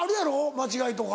間違いとか。